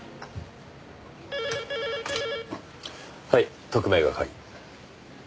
はい特命係。